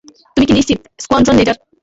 তুমি কি নিশ্চিত, স্কোয়াড্রন লিডার?